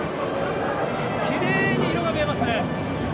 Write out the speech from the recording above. きれいに色が見えますね。